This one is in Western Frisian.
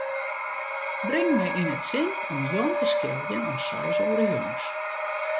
Bring my yn it sin om Jan te skiljen om seis oere jûns.